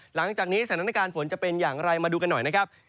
หลังจากนี้สถานการณ์ฝนจะเป็นอย่างไรมาดูกันหน่อยนะครับ